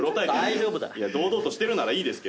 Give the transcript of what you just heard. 堂々としてるならいいですけど。